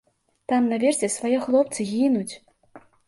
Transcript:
Там наверсе свае хлопцы гінуць!